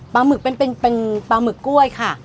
หมึกเป็นปลาหมึกกล้วยค่ะ